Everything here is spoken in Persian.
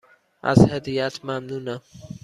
از هدیهات ممنونم.